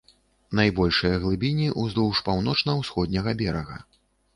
Найбольшыя глыбіні ўздоўж паўночна-усходняга берага.